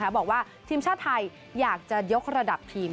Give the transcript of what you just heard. บอกว่าทีมชาติไทยอยากจะยกระดับทีม